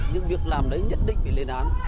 những việc làm đấy nhất định bị lên án